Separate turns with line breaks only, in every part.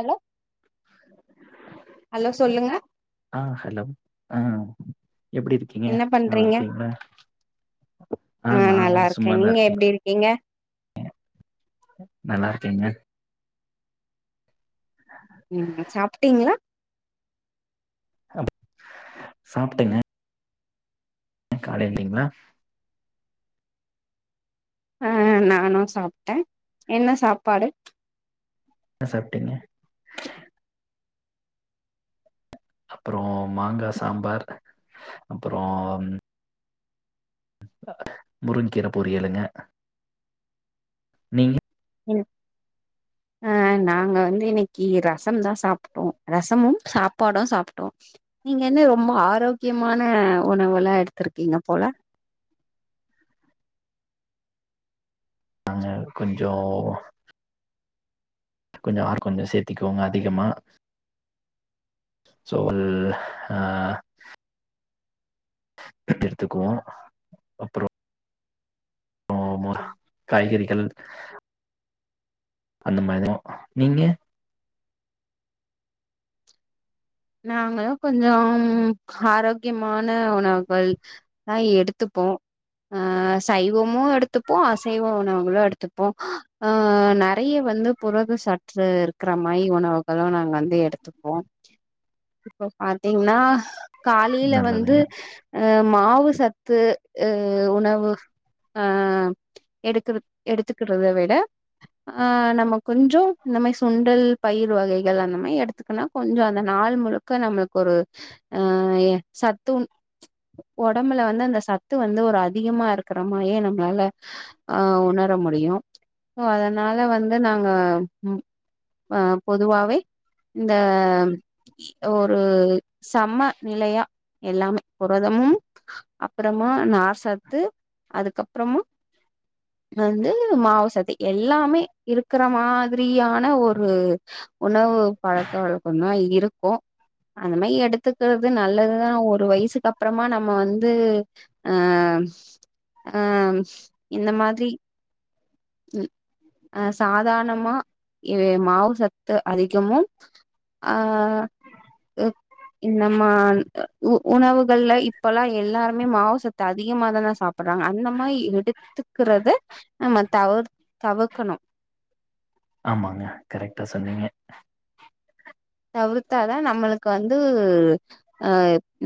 Allow hello
வணக்கம்.
சொல்லுங்க
ஆ ஹலோ ஆ எப்டிர்
என்ன பண்றீங்க ஆ
நா
நல்லார்க்கே
சும்மாதா
நீங்க
இருக்கே
எப்டி இருக்கீங்க
நல்லார்க்கேங்க ஆ
ம் சாப்ட்டீங்ளா
அப் சாப்ட்டேங்க கால எந்தீங்ளா
ஆ நானு சாப்ட்டே என்ன சாப்பாடு
ந சாப்ட்டீங்க அப்றோ மாங்கா சாம்பார் அப்பறோம் முருங்கீர பொரியளுங்க நீங்க
எல் அ நாங்க வந்து இன்னிக்கி ரசம் தா சாப்ட்டோ ரசமும் சாப்பாடு சாப்ட்டோ நீங் என்னெ ரொம் ஆரோக்கியமான உணவுல்லா எத்துர்க்கீங்க போல
நாங்க கொஞ்சோவ் கொஞ்ச ஆர் கொஞ்சு சேத்திக்கோங்க அதிகமா சோவல்ல ஹா எடுத்துக்குவோ அப்பறோ மோ காய்கறிகள் அந்த மாத்யோ நீங்க
நாங்களு கொஞ்சம் ஹாரோக்கியமான உணவுகள் அ எடுத்துப்போ ஆ சைவமு எடுத்துப்போ அசைவ உணவுகளு எடுத்துப்போ ஆ நெறைய வந்து புரது சற்று இருக்ற மாயி உணவுக்களு நாங் வந்து எடுத்துப்போ இப்போ பாத்தீங்னா காலில வந்து
நல்லதுங்க
அ மாவு சத்து எ உணவு ஆ எடுக்கறது எடுத்துக்கறத விட ஆ நம்ம கொஞ்சோ இந்த மாதிரி சுண்டல் பயிர் வகைகள் அந்த மாதிரி எடுத்துக்கன்னா கொஞ்சோ அந்த நாள் முழுக்க நம்மளுக்கு ஒரு அ சத்துன் உடம்புல வந்து அந்த சத்து வந்து ஒரு அதிகமா இருக்கிற மா ஏ நம்மளால அ உணர முடியு சோ அதனால வந்து நாங்க ம் ஆ பொதுவாவே இந்த ஒரு சம நிலையா எல்லாமே புரதமும் அப்புறமா நார் சத்து அதுக்கப்புறமா வந்து மாவுசத்து எல்லாமே இருக்கிற மாதிரியான ஒரு உணவு பழக்க வழக்கதா இருக் அந்த மாதிரி எடுத்துக்கிறது நல்லதுதா ஒரு வயசுக்கு அப்புறமா நம்ம வந்து ஆம்ஸ் ஆம்ஸ் இந்த மாதிரி அ சாதாணமா இது மாவு சத்து அதிகமும் அ வு இந்த மா உணவுகள்ல இப்பெல்லா எல்லாருமே மாவுசத்த அதிகமா தான சாப் அப்ரோ அந்த மாதி எடுத்துக்குறத நம்ம தவக்கணு
ஆமாங்க கரெக்ட்டா சொன்னீங்க
தவுத்தா தா நம்மளுக்கு வந்து அ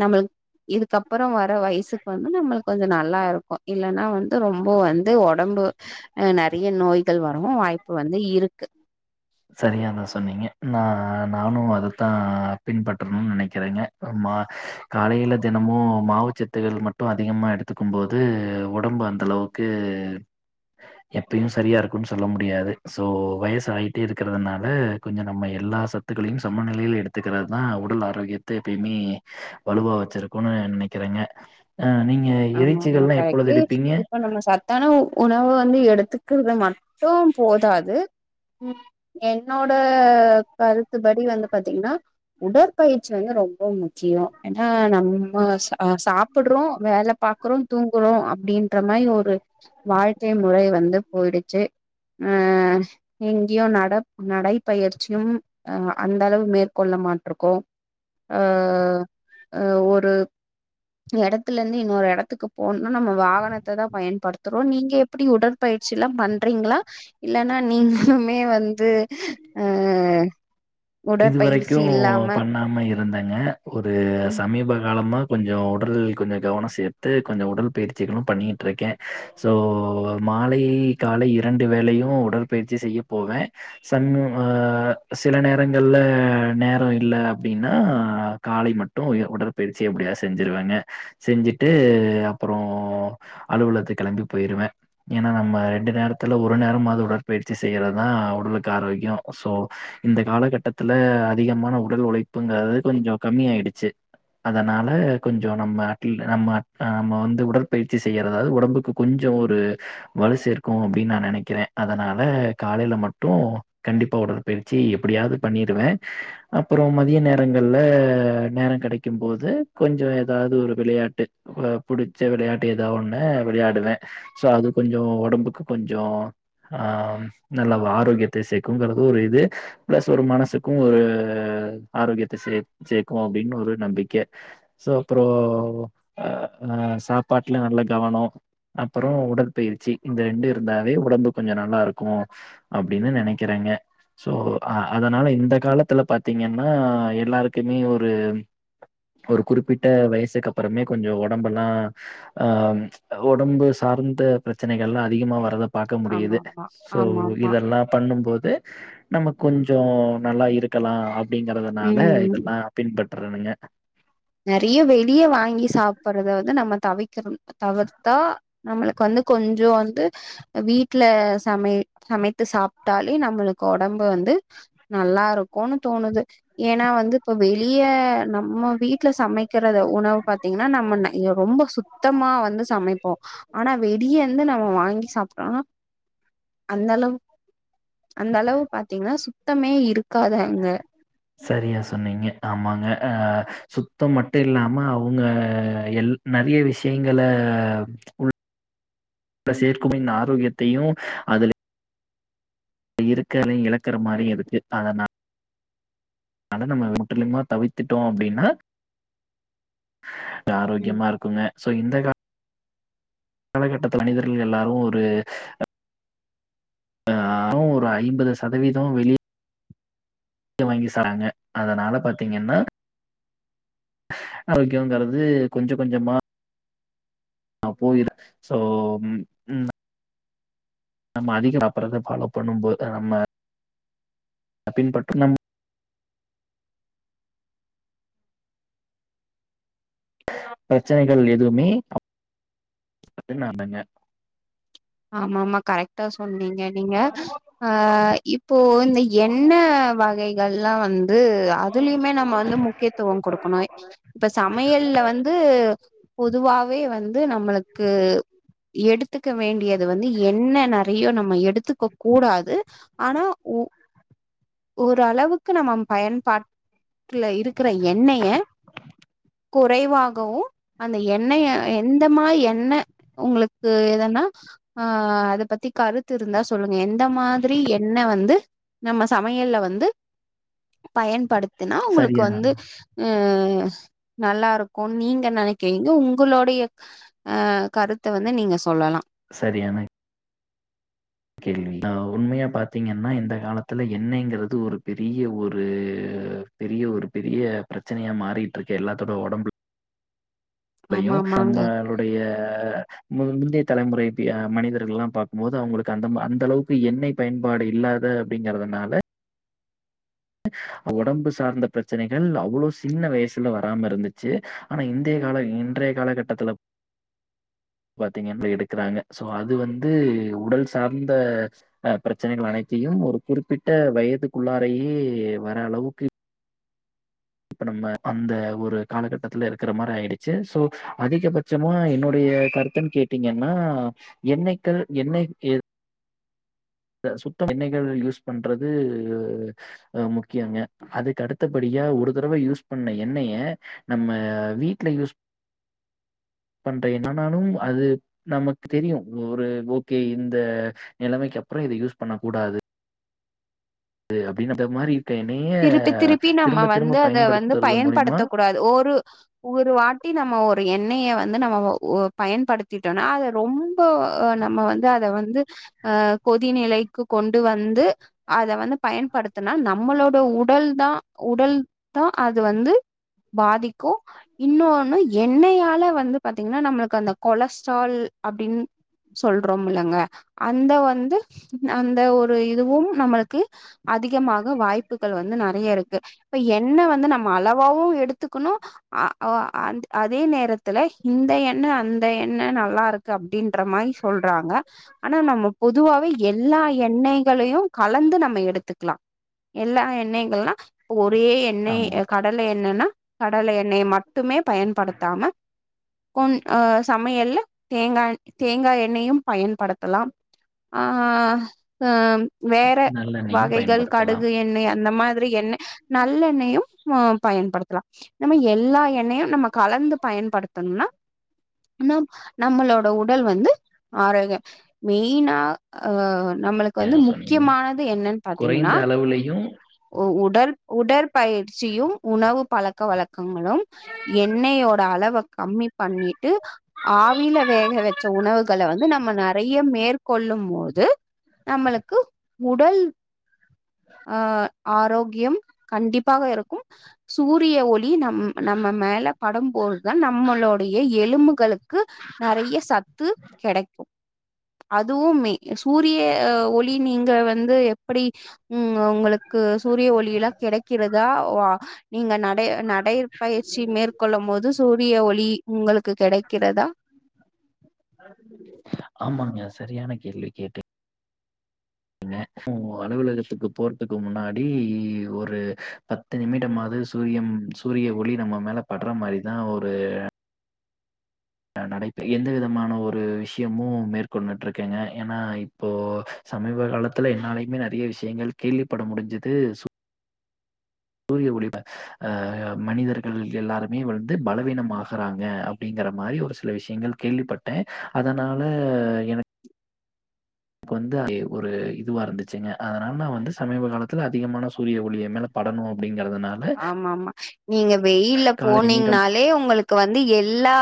நம்மள் இதுக்கப்பற வர வயசுக்கு வந்து நம்மளுக்கு கொஞ்ச நல்லா இருக்கு இல்லன்னா வந்து ரொம்ப வந்து வொடம்பு அ நெறைய நோய்கள் வரவு வாய்ப்பு வந்து இருக்கு
செரியா தா சொன்னீங்க நா நானு அதத்தா பின்பற்றணு நெனைக்கிறேங்க அம்மா காலைல தினமு மாவு சத்துகள் மட்டு அதிகமா எடுத்துக்கு போ வந்து வொடம்பு அந்த அளவுக்கு எப்பயு செரியா இருக்குன்னு சொல்ல முடியாது ஸோ வயசாயி ட்டி இருக்குறதுனால கொஞ்ச நம்ம எல்லா சத்துக்களையும் சமநிலையில் எடுத்துக்குறது தா உடல் ஆரோக்கியத் தே எப்பயுமே வலுவா வச்சுருக்குனு நெனைக்கிறேங்க அ நீங்க
ஆமா
இறைச்சிகள்
ஆமா
எல்லா எப்பொழுது
கரெக்ட்டு
எடுப்பீங்க
இப்ப நம்ம சார் தனவ் உணவு வந்து எடுத்துக்குறது மட்டும் போதாது ம் என்னோட கருத்துபடி வந்து பாத்தீங்கன்னா உடற்பயிற்சி வந்து ரொம்ப முக்கியோ ஏனா நம்ம சாப் சாப்படுறோ வேல பாக்குறோ தூங்குறோ அப்டின்ற மாதி ஒரு வாழ்க்கை முறை வந்து போயிடுச்சு ஆ எங்கயு நட நடைப்பயிற்சியும் அ அந்த அளவு மேற்கொள்ள மாட்டுருக்கோ அ அ ஒரு எடத்துல இருந்து இன்னொரு எட த்துக்கு போணுனா நம்ம வாகனத்த தா பயன்படுத்துறோ நீங்க எப்டி உடற்பயிற்சி எல்லா பண்றீங்களா இல்லன்னா நீங்கலுமே வந்து அ
இது வரைக்கு
உடற்பயிற்சி இல்லாம
பண்ணாம இருந்தங்க ஒரு
ம்
சமீப காலமா கொஞ்ச உடல் கொஞ்ச கவன சேர் த்து கொஞ்ச உடல் பயிற்சிகளும் பண்ணிட்டு இருக்கே ஸோ மாலை காலை இரண்டு வேலையும் உடற்பயிற்சி செய்ய போவே சன் அ சில நேர ங்கல்ல நேரம் இல்ல அப்டின்னா காலை மட்டு உடற்பயிற்சி எப்படியாவது செஞ்சிருவேங்க செஞ்சுட்டு அப்பறோ அலுவலத்து கெளம்பி போயிருவே ஏனா நம்ம ரெண்டு நேரத்துல ஒரு நேரமாவது உடற்பயிற்சி செய்யறதா உடலுக்கு ஆரோக்கியம் சோ இந்த காலகட்டத்துல அதிகமான உடல் உழைப்புங்குறது கொஞ்ச கம்மி ஆயிடுச்சு அதனால கொஞ்சோ நம்ம அடில்ட் நம்ம நம்ம வந்து உடற்பயிற்சி செய்யறதாது கட் உடம்புக்கு கொஞ்சோ ஒரு வலு சேர்க்கு அப்டின் நா நெனக்கிற அதனால காலைல மட்டு கண்டிப்பா உடற்பற்பயிற்சி எப்டியாது பண்ணிடுவே அப்றோ மதிய நேரங்கள்ல நேர கடைக்கும் போது கொஞ்ச ஏதாது ஒரு விளையாட்டு ஒ புடிச்ச விளையாட்டு ஏதா ஒன்னு விளையாடுவே சோ அது கொஞ்சோ ஒடம்புக்கு கொஞ்சோ ஆம் நல்லா வாரோக்கியத்த சேக்கங்குறது ஒரு இது பிளஸ் தொரு மனசுக்கு ஒரு ஆரோக்கியத்த சே சேக்கு அப்டின்னு ஒரு நம்பிக்க சோ அப்றோ அ சாப்பாட்ல நல்ல கவனோ அப்பறோ உடற்பயிற்சி இந்த ரெண்டு இருந்தாவே உடம்பு கொஞ்சோ நல்லாருக்கு அப்டின்னு நெனக்கிறேங்க சோ ஆ அதனால இந்த காலத்துல பாத்தீங்கன்னா எல்லாருக்குமே ஒரு ஒரு குறிப்பிட்ட வயசுக்கப்பறமே கொஞ்ச ஒடம்பல்லா அ உடம்பு சார்ந்த பிரச்சனைகள்ளா அதிகமா வர்த பாக்க
ஆமா
முடியிது
ஆமா
சோ
ஆமா ஆமா
இதெல்லா பண்ணும்போது நமக் கொஞ்சோ நல்லா இருக்கலா அப்டிங்கறதுனால
ம்
இதெல்லா பின்பட்றேணுங்க
நறைய வெளிய வாங்கி சாப்பறத வந்து நம்ம தவிக்கிறனு தவிர்த்தா நம்மளுக்கு வந்து கொஞ்சோ வந்து வீட்ல சமை சமைத்து சாப்ட்டாலே நம்மளுக்கு உடம்பு வந்து நல்லா இருக்குன்னு தோணுது ஏனா வந்து இப்ப வெளிய நம்ம வீட் ட்ல சமைக்கிறது உணவு பாத்தீங்கன்னா நம்ம ரொம்ப சுத்தமா வந்து சமைப்போ ஆனா வெளிய வந்து நம்ம வாங்கி சாப்ட்டாலு அந்தளவ் அந்தளவு பாத்தீங்கன்னா சுத்தமே இருக்காது அங்க
உ சரியாக சொன்னிங்க ஆமாங்க அ சுத்தம் மட்டு இல்லாமல் அவுங்க எல் நெறைய விஷியங்கள உள் பிளஸ் ஏர்க்குமே ஆரோக்கியத்தையு அதுல இருக்கலை எழக்கற மாரி எதுக்கு அத நா அத நம்ம விட்டுலியுமா தவித்துட்டோ அப்டின்னா
ம்
ஆரோக்கியமா இருக்குங்க சோ இந்த கா காலகட்டத்துல மனிதர்கள் எல்லாரு ஒரு நானு ஒரு ஐம்பது சதவீதோ வெளிய இங்க வாங்கி சாராங்க அதனால பாத்தீங்கன்னா ஆரோக்கியங்கறது கொஞ்ச கொஞ்சமா நா போயிதா சோ நம்ம அதிக சாப்படறத ஃபாலோ பண்ணும்போது நம்ம பின்பற்றும் நம் பிரெச்சனைகள் எதுமே [unintelligible]
ஆமா ஆமா கரெக்டா சொன்னீங் ங்க நீங்க அ இப்போ இந்த என்ன வகைகள்லா வந்து அதுலியுமே நம்ம வந்து முக்கியத்துவம் கொடுக்கணு இப்ப சமையல்ல வந்து பொதுவாவே வந்து நம்மளுக்கு எடுத்துக்க வேண்டிய வந்து என்ன நெறைய நம்ம எடுத்துக்க கூடாது ஆனா உ ஓரளவுக்கு நம்ம பயன்பாட்டுல இருக்குற எண்ணெய்ய குறைவாகவு அந்த எண்ணெய்ய எந்த மா எண்ண உங்களுக்கு எதன்னா ஆ அத பத்தி கருத்து இருந்தா சொல்லுங்க எந்த மாரி எண்ணெய் வந்து நம்ம சமையல்ல வந்து பயன்படுத்துனா உங்களுக்கு
சரியா
வந்து ஆ நல்லா இருக்கு நீங்க நினைக்கிறீங்க உங்களுடைய ஆ கருத்த வந்து நீங்க சொல்லலா
சரியான ள்வி நாங்க உண்மையா பாத்தீங்கன்னா இந்த காலத்துல எண்ணெய்ங்கிறது ஒரு பெரிய ஒரு பெரிய ஒரு பெரிய பிரச்சனையா மாறிட்டு இருக்கு எல்லாத்தோட உடம்புல லையு
ஆமா ஆமாங்க
நம்மளுடைய முந்தைய தலைமுறைவுடைய மனிதர்கள்லா பாக்கும்போது அவங்களுக்கு அந்த அந்த அளவுக்கு எண்ணெய் பயன்பாடு இல்லாத அப்டிங்குறதுனால உடம்பு சார்ந்த பிரச்சனைகள் அவ்வளவு சின்ன வயசுல வராம இருந்துச்சு ஆனா இந்தைய கால இன்றைய காலகட்டத்திலே பாத்தீங்கன்ன துல எடுக்கறாங்க சோ அது வந்து உடல் சார்ந்த ஆ பிரச்சனைகள் அனைத்தையும் ஒரு குறிப்பிட்ட வயதுக்குள்ளரேயே வர அளவுக்கு இப்ப நம்ம அந்த ஒரு காலகட்டத்துல இருக்கிற மாரி ஆயிடுச்சு சோ அதிகபட்சமா என்னுடைய கருத் கேட்டீங்கன்னா எண்ணெய்க்கள் எண்ணெய் சுத்தம் எண்ணெய்கள் யூஸ் பண்றது அ முக்கியங்க அதுக்கு அடுத்தபடியா ஒரு தடவ யூஸ் பண்ண எண்ணெயே நம்ம வீட்ல யூஸ் பண்ற எண்ணெ ஆனாலு அது நமக்கு தெரியு ஒரு ஓகே இந்த நிலமைக்கு அப்பறோ இத யூஸ் பண்ண கூடாது து அப்டின்னு அந்த மாரி என்னைய
திருப்பி திருப்பி நம்ம
திரும்ப
வந்து
திரும்ப
அத வந்து
பயன்படுத்துறது மூலியமா
பயன்படுத்த கூடாது ஒரு ஒரு வாட்டி நம்ம ஒரு எண்ணெய வந்து நம்ம ஓ பயன்படுத்திட்டோனா அத ரொம் போ நம்ம வந்து அத வந்து அ கொதிநிலைக்கு கொண்டு வந்து அத வந்து பயன்படுத்துனா நம்மளோட உடல் தா உடல் தா அது வந்து பாதிக்கு இன்னொன்னு எண்ணெயால வந்து பாத்தீங்கன்னா நம்மளுக்கு அந்த கொலஸ்ட்ரால் அப்டின்னு சொல்றோம்ல்லங்க அந்த வந்து அந்த ஒரு இதுவும் நம்மளுக்கு அதிகமாக வாய்ப் புக்கள் வந்து நெறய இருக்கு இப்ப எண்ணெய் வந்து நம்ம அளவாவு எடுத்துக்கணு ஆ ஆ அதே நேரத்துல இந்த எண்ணெய் அந்த இந்த எண்ணெய் நல்லா இருக்கு அப்டின்ற மாரி சொல்றாங்க ஆனா நம்ம பொதுவாவே எல்லா எண்ணெய்கலயு கலந்து நம்ம எடுத்துக்கலா எல்லா எண்ணெய்கள்ல்லா இப்ப ஒரே எண்ணெய்
ஆமா
கட கடலை எண்ணெய்னனா கடல எண்ணெயை மட்டுமே பயன்படுத்தாம கோன் ஆ சமையல்ல தேங்கா தேங்காய் எண்ணெயும் பயன்படுத்தலா ஆ வேற
நல்லெண்ணெயும்
வகைகள் கடு
பயன்படுத்தலாம்
எண்ணெய் அந்த மாதிரி எண்ணெய் நல்லெண்ணெயையும் பயன்படுத்தலா நம்ம எல்லா எண்ணெயு நம்ம கலந்து பயன்படுத்தணும்னா ஆ நம்மளோட உடல் வந்து ஆரோக்கியம மெயினா அ நம்மளுக்கு வந்து
சரியா
முக்கியமானது என்னன்னு பாத்தீங்கன்னா
அளவுலயு
உடல் உடற்பயிற்சியு உணவு பழக்க வழக்கங்களும் எண்ணையோட அளவ கம்மி பண்ணிட்டு ஆவில வேக வச்ச உணவுகள வந்து நம்ம நிறய மேற்கொள்ளும் மோது நம்மளுக்கு உடல் ஆ ஆரோக்கியம் கண்டிப்பாக இருக்கும் சூரிய ஒளி நம் நம்ம மேல படும்போதுதா நம்மளோடய எலும்புகளுக்கு நெறய சத்து கெடைக்கு அதுவுமே சூரிய ஒளி நீங்க வந்து எப்டி உங்க க்கு சூரிய ஒளியல்லா கெடைக்கிறதா வா நீங்க நடய நட நடைபயிற்சி மேற்கொள்ளும் போது சூரிய ஒளி உங்களுக்கு கெடைக்கிறதா
ஆமாங்க சரியான கேள்வி கேட்டி டிங்க அலுவலகத்துக்கு போறதுக்கு முன்னாடி ஒரு பத் த்து நிமிடம்மாது சூரியம் சூரிய ஒளி நம்ம மேல படுற மாரி தா ஒரு நா நடைப்பய் எந்த விதமான ஒரு விஷயமு மேற்கொண்டுட்டு இருக்கேங்க ஏனா இப்போ சமீப காலத்துல என்னாலயுமே நறைய விஷயங்கள் கேள்விப்பட முடிஞ்சது சூரிய ஒளி அ மனிதர்கள் எல்லாருமே வந்து பலவீனமாகறாங்க அப்டிங்கிற மாரி ஒரு சில விஷயங்கள் கேள்விப்பட்டே அதனால எனக்கு க்கு வந்து ஒரு இதுவா இருந்துச்சுங்க அதனால நா வந்து சமீப காலத்துல அதிகமான சூரிய ஒளிய எம் மேல படணு அப்டிங்கறதுனால
ஆமா ஆமா நீங்க வெயில்ல
காலை நிமிடம்
போனீங்கனால் லே உங்களுக்கு வந்து எல்லா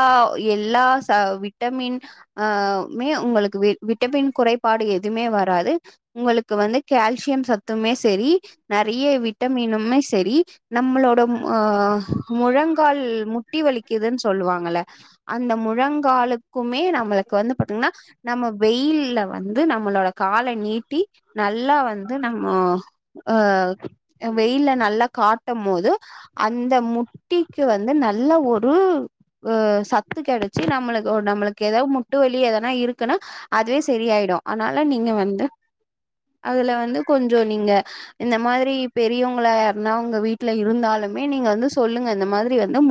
எல்லா சா விட்டமின் ஆமே உங்களுக்கு வி விட்டமின் குறைபாடு எதுமே வராது உங்களுக்கு வந்து கால்சியம் சத்துமே சரி நறைய விட்டமினுமே சரி நம்மளோட ஆ முழங்கால் முட்டி வலிக்குதுன்னு சொல்லுவாங்கல அந்த முழங்காலுக்குமே நம்மளுக்கு வந்து பாத்தீங்கன்னா நம்ம வெயில்ல வந்து நம்மளோட கால நீ ட்டி நல்லா வந்து நம்ம வெயில் அ நல்லா கால் நீட்டம் போது அந்த முட்டிக்கு வந்து நல்ல ஒரு ஆ சத்து கிடைச்சி நம்மளுக்கு நம்மளுக்கு ஏதாவது முட்டு வலி எதனா இருக்குன்னா அதுவே சரியாயிடு அதனால நீங்க வந்து அதுல வந்து கொஞ்சோ நீங்க இந்த மாதிரி பெரியவங்கள யாருன்னா உங்க வீட்டு ல இருந்தாலுமே நீங்க வந்து சொல்லுங்க இந்த மாதிரி வந்து